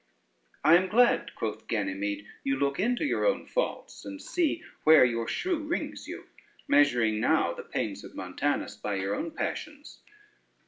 "I am glad," quoth Ganymede, "you look into your own faults, and see where your shoe wrings you, measuring now the pains of Montanus by your own passions."